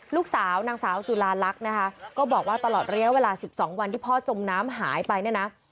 ลูกสาวนางสาวจุลาลักษณ์นะคะก็บอกว่าตลอดระยะเวลา๑๒วันที่พ่อจมน้ำหายไปเนี่ยนะ